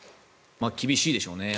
厳しいでしょうね。